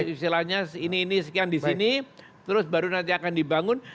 istilahnya ini ini sekian di sini terus baru nanti akan dibangun